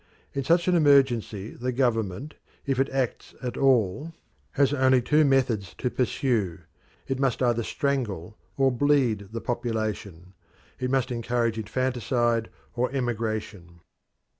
In such an emergency the government, if it acts at all, has only two methods to pursue. It must either strangle or bleed the population; it must organise infanticide or emigration.